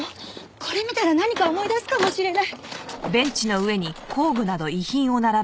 これ見たら何か思い出すかもしれない！